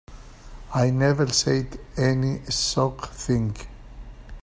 I never said any such thing.